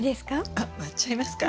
あっ割っちゃいますか？